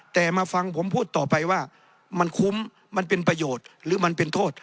แต่มาฟังผมพูดต่อไปว่ามันคุ้มมันเป็นประโยชน์หรือมันเป็นโทษ